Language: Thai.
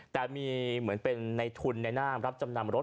แต่มีเหมือนเป็นในทุนในหน้ามรับจำนำรถ